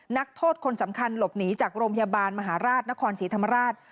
นักโทษคนสำคัญหลบหนีจากโรงพยาบาลมหาราชนครศรีธรรมราช